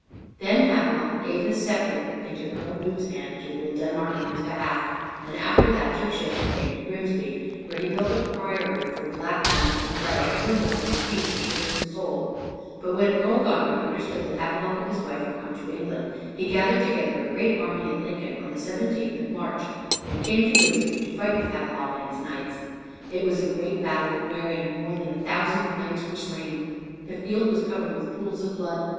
Then Havelok gave his scepter into Earl Ubbe's hand to rule Denmark on his behalf, and after that took ship and came to Grimsby, where he built a priory for black monks to pray evermore for the peace of Grim's soul. But when Earl Godrich understood that Havelok and his wife were come to England, he gathered together a great army at Lincoln on the 17th of March, and came to Grimsby to fight with Havelok and his knights. It was a great battle, wherein more than a thousand knights were slain. The field was covered with pools of blood.